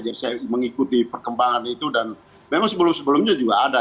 jadi saya mengikuti perkembangan itu dan memang sebelum sebelumnya juga ada